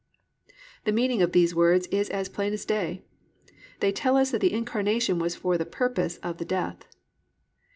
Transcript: The meaning of these words is as plain as day. They tell us that the incarnation was for the purpose of the death.